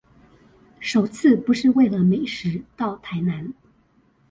首次不是為了美食到台南